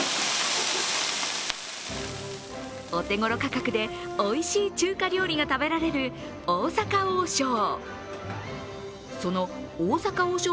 お手頃価格で、おいしい中華料理が食べられる大阪王将。